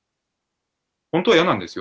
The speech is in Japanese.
本当は嫌なんですよ。